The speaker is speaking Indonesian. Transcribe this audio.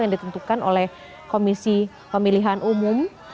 yang ditentukan oleh komisi pemilihan umum